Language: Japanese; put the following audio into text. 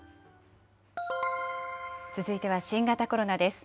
続いては新型コロナです。